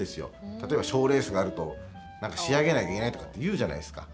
例えば、賞レースがあるとなんか仕上げないといけないとかって言うじゃないですか。